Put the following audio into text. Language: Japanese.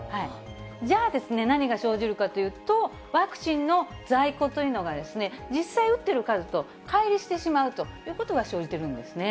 じゃあ、何が生じるかというと、ワクチンの在庫というのが実際打ってる数と、かい離してしまうということが生じているんですね。